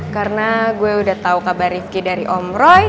karena gue udah tau kabar rifqi dari om roy